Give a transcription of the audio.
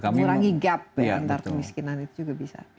menurangi gap antar kemiskinan itu juga bisa